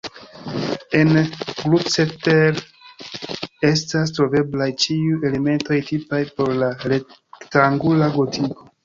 En Gloucester estas troveblaj ĉiuj elementoj tipaj por la rektangula gotiko.